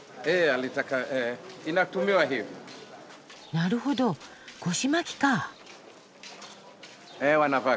なるほど腰巻きか。